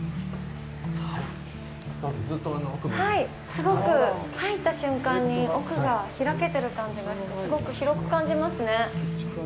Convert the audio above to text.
すごく入った瞬間に奥が開けてる感じがしてすごく広く感じますね。